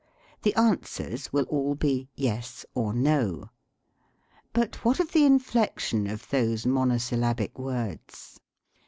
The answers will all be "yes" or "no." But what of the in flection of those monosyllabic words